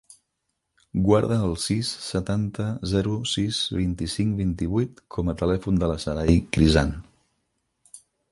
Guarda el sis, setanta, zero, sis, vint-i-cinc, vint-i-vuit com a telèfon de la Saray Crisan.